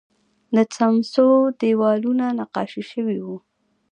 د سمڅو دیوالونه نقاشي شوي وو